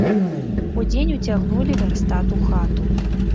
Удзень уцягнулі вярстат у хату.